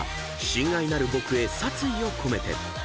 『親愛なる僕へ殺意をこめて』］